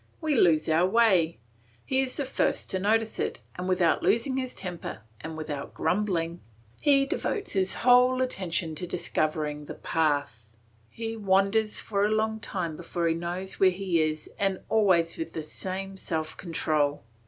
We lose our way; he is the first to notice it, and without losing his temper, and without grumbling, he devotes his whole attention to discovering the path; he wanders for a long time before he knows where he is and always with the same self control.